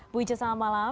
bu ice selamat malam